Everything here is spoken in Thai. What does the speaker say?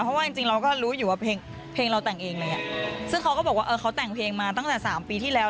เพราะว่าจริงจริงเราก็รู้อยู่ว่าเพลงเพลงเราแต่งเองเลยอ่ะซึ่งเขาก็บอกว่าเออเขาแต่งเพลงมาตั้งแต่สามปีที่แล้ว